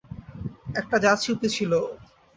একটা জাত শিল্পী ছিল ও।